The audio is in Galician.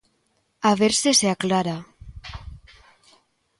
A ver se se aclara.